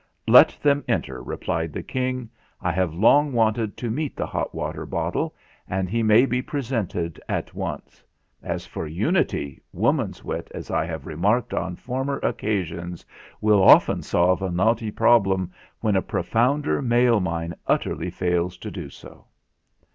"Let them enter," replied the King. "I have long wanted to meet the hot water bot tle, and he may be presented at once. As for Unity, woman's wit, as I have remarked on former occasions, will often solve a knotty problem when the profounder male mind ut terly fails to do so."